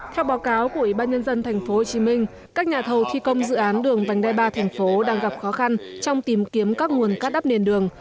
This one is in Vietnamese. theo báo cáo của ủy ban nhân dân tp hcm các nhà thầu thi công dự án đường vành đai ba tp hcm đang gặp khó khăn trong tìm kiếm các nguồn cắt đắp nền đường